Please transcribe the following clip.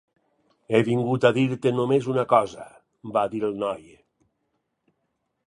"He vingut a dir-te només una cosa", va dir el noi.